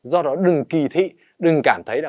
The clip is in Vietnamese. do đó đừng kỳ thị đừng cảm thấy là